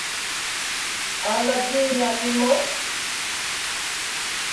ალა დი̄ნა ლი მო̄?